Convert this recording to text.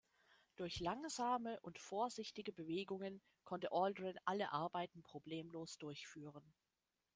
Durch langsame und vorsichtige Bewegungen konnte Aldrin alle Arbeiten problemlos durchführen.